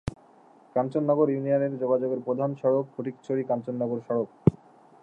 কাঞ্চননগর ইউনিয়নে যোগাযোগের প্রধান সড়ক ফটিকছড়ি-কাঞ্চননগর সড়ক।